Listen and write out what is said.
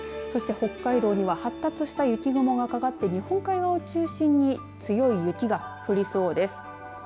そして、北海道は発達した雪雲がかかっていて日本海側を中心に強い雪が降りそうです。